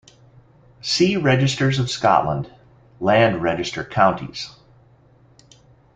See Registers of Scotland, Land Register Counties.